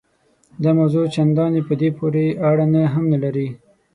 دا موضوع چنداني په دې پورې اړه هم نه لري.